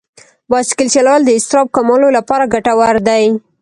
بایسکل چلول د اضطراب کمولو لپاره ګټور دي.